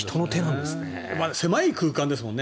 でも、あれ狭い空間ですもんね。